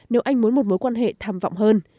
nếu anh muốn một mối quan hệ tham vọng hơn